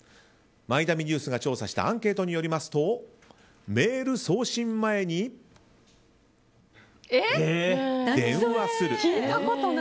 マイナビニュースが調査したアンケートによりますとメール送信前に電話する。